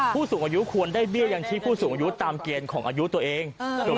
ผู้สูงอายุควรได้เบี้ยยังชีพผู้สูงอายุตามเกณฑ์ของอายุตัวเอง